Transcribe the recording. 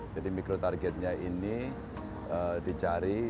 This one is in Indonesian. jadi mikro targetnya ini dicari